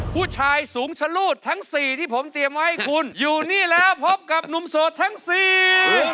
ผู้ชายสูงชะลูดทั้งสี่ที่ผมเตรียมไว้ให้คุณอยู่นี่แล้วพบกับหนุ่มโสดทั้งสี่